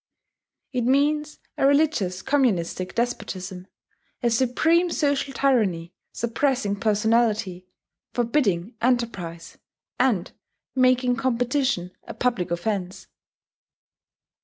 It means a religious communistic despotism, a supreme social tyranny suppressing personality, forbidding enterprise, and making competition a public offence.